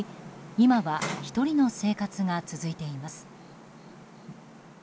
今は１人の生活が続いています。